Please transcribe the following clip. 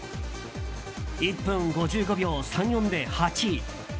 １分５５秒３４で８位。